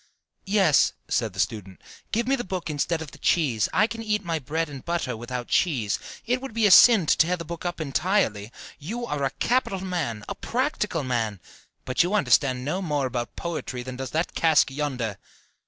"Yes," said the student, "give me the book instead of the cheese: I can eat my bread and butter without cheese. It would be a sin to tear the book up entirely. You are a capital man, a practical man, but you understand no more about poetry than does that cask yonder."